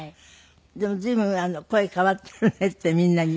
でも随分声変わっているねってみんなに言われたでしょ？